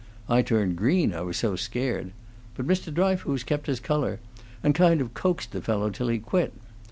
I turned green, I was so scared; but Mr. Dryfoos kept his color, and kind of coaxed the fellow till he quit.